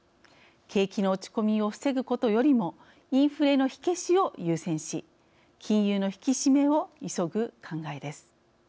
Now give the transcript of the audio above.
景気の落ち込みを防ぐことよりもインフレの火消しを優先し金融の引き締めを急ぐ考えです。